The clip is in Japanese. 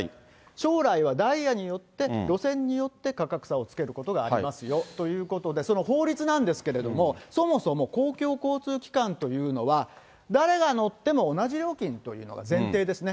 将来はダイヤによって、路線によって価格差をつけることがありますよということで、その法律なんですけれども、そもそも公共交通機関というのは、誰が乗っても同じ料金というのが前提ですね。